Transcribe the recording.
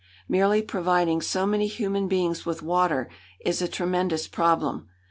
Merely providing so many human beings with water is a tremendous problem.